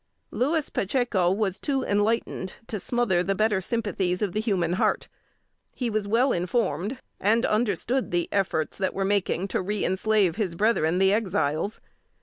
Louis Pacheco was too enlightened to smother the better sympathies of the human heart. He was well informed, and understood the efforts that were making to reënslave his brethren, the Exiles.